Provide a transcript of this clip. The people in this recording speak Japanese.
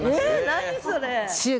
何それ。